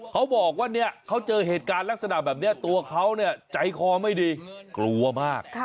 เขาบอกว่าเนี่ยเขาเจอเหตุการณ์ลักษณะแบบนี้ตัวเขาเนี่ยใจคอไม่ดีกลัวมาก